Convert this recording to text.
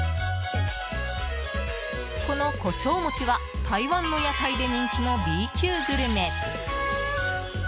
この胡椒餅は台湾の屋台で人気のＢ級グルメ。